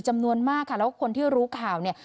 จำนวนมากค่ะแล้วคนที่รู้ข่าวเนี่ย